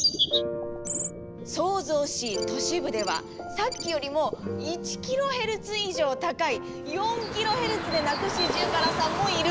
騒々しい都市部ではさっきよりも１キロヘルツ以上高い４キロヘルツで鳴くシジュウカラさんもいるんです！